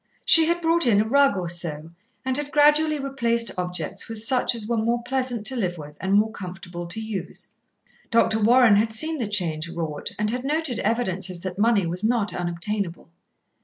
She had brought in a rug or so, and had gradually replaced objects with such as were more pleasant to live with and more comfortable to use. Dr. Warren had seen the change wrought, and had noted evidences that money was not unobtainable.